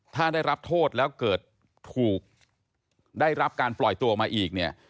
ถ้าได้รับโทษแล้วเกิดถูกได้รับการปล่อยตัวออกมาอีกเนี่ย